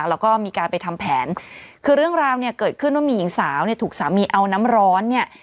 แล้วก็มีการไปทำแผนคือเรื่องราวเนี่ยเกิดขึ้นว่ามีหญิงสาวเนี่ยถูกสามีเอาน้ำร้อนเนี่ย